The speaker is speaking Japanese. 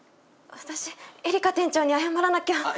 私エリカ店長に謝らなきゃ。